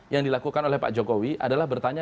yang dilakukan oleh pak jokowi adalah bertanya